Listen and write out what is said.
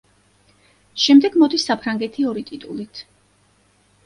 შემდეგ მოდის საფრანგეთი ორი ტიტულით.